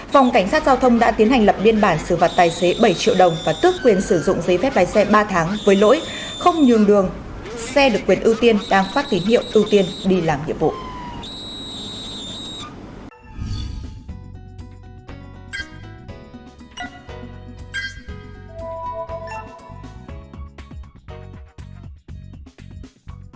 phòng cảnh sát giao thông đã tiến hành lập biên bản xử phạt tài xế bảy triệu đồng và tước quyền sử dụng giấy phép lái xe ba tháng với lỗi không nhường đường xe được quyền ưu tiên đang phát tín hiệu ưu tiên đi làm nhiệm vụ